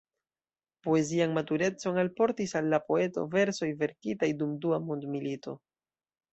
Poezian maturecon alportis al la poeto versoj verkitaj dum Dua mondmilito.